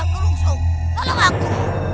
kerungsung tolong aku